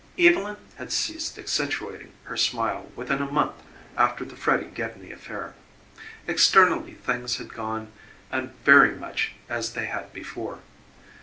Evylyn had ceased accentuating her smile within a month after the Freddy Gedney affair. Externally things had gone an very much as they had before.